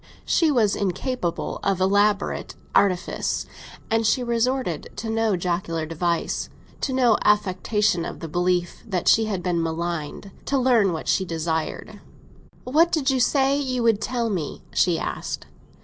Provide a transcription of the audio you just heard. She was incapable of elaborate artifice, and she resorted to no jocular device—to no affectation of the belief that she had been maligned—to learn what she desired. "What did you say you would tell me?" she asked.